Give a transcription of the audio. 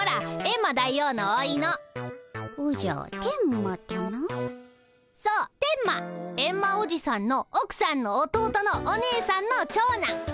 エンマおじさんのおくさんの弟のお姉さんの長男。